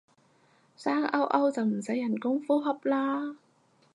生勾勾就唔使人工呼吸啦